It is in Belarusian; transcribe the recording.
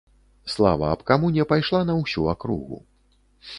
Слава аб камуне пайшла на ўсю акругу.